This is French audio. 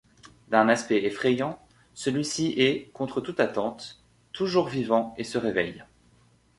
D'un aspect effrayant, celui-ci est, contre toute attente, toujours vivant et se réveille.